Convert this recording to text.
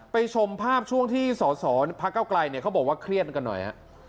ไปชมภาพช่วงที่สอสอนพักเก้าไกลเขาบอกว่าเครียดกันหน่อย